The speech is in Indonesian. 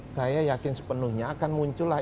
saya yakin sepenuhnya akan muncullah